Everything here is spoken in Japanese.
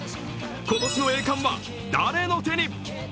今年の栄冠は誰の手に？